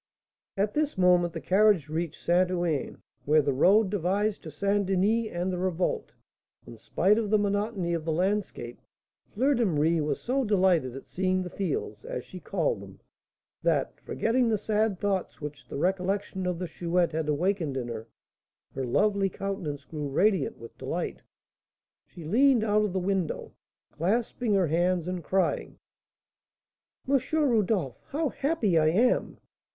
At this moment the carriage reached St. Ouen, where the road divides to St. Denis and the Revolte. In spite of the monotony of the landscape, Fleur de Marie was so delighted at seeing the fields, as she called them, that, forgetting the sad thoughts which the recollection of the Chouette had awakened in her, her lovely countenance grew radiant with delight. She leaned out of the window, clasping her hands, and crying: "M. Rodolph, how happy I am!